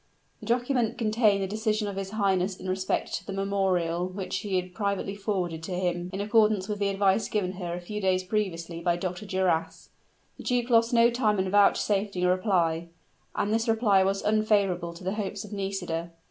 That document contained the decision of his highness in respect to the memorial which she had privately forwarded to him in accordance with the advice given her a few days previously by Dr. Duras. The duke lost no time in vouchsafing a reply; and this reply was unfavorable to the hopes of Nisida.